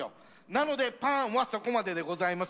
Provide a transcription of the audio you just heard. なのでパンはそこまででございます。